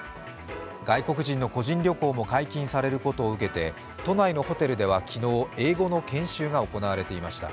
外国人の個人旅行も解禁されることを受けて都内のホテルでは、昨日英語の研修が行われていました。